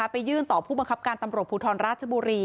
ไปยื่นต่อผู้บังคับการตำรวจภูทรราชบุรี